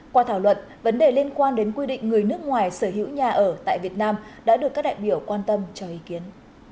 qua thảo luận vấn đề liên quan đến quy định người nước ngoài sở hữu nhà ở tại việt nam đã được các đại biểu quan tâm cho ý kiến